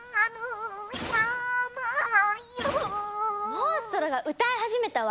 モンストロが歌い始めたわ！